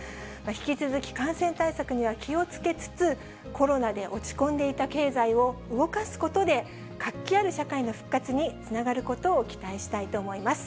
引き続き感染対策には気をつけつつ、コロナで落ち込んでいた経済を動かすことで、活気ある社会の復活につながることを期待したいと思います。